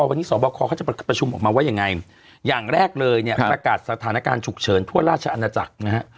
วันนี้สอบคอเขาจะประชุมออกมาว่ายังไงอย่างแรกเลยเนี่ยประกาศสถานการณ์ฉุกเฉินทั่วราชอาณาจักรนะฮะ